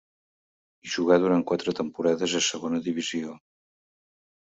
Hi jugà durant quatre temporades, a segona divisió.